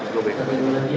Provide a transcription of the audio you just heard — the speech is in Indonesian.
satu lagi yang mulai